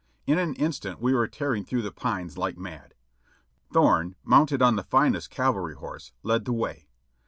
In an instant we were tearing through the pines like mad. Thorne, mounted on the finest cavalry horse, led the way.